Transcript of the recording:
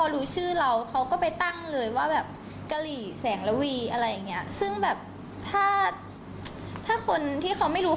แล้วก็ทำอะไรกับเฟซเราไม่รู้